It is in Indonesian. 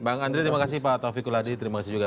bang andri terima kasih pak taufikuladi terima kasih juga